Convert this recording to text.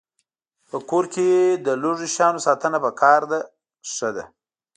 په کور کې د لږو شیانو ساتنه پکار ده ښه ده.